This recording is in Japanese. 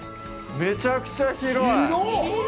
めちゃくちゃ広い！